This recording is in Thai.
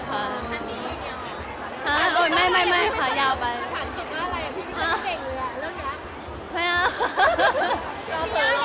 อะไม่ขังคิดว่าอะไรพี่มาก็เสร็จอยู่อะเริ่มยัง